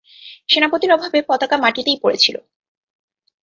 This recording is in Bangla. সেনাপতির অভাবে পতাকা মাটিতেই পড়েছিল।